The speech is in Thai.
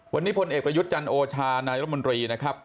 วันนี้พลเอกประยุทธ์จันโอชานายรมนตรีนะครับ